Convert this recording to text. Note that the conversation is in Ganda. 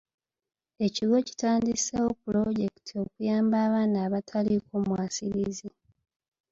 Ekigo kitandiseewo pulojekiti okuyamba abaana abataliiko mwasirizi.